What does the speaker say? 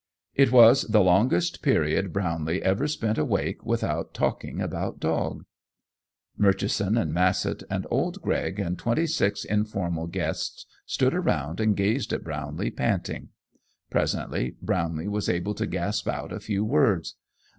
It was the longest period Brownlee ever spent awake without talking about dog. Murchison and Massett and old Gregg and twenty six informal guests stood around and gazed at Brownlee panting. Presently Brownlee was able to gasp out a few words.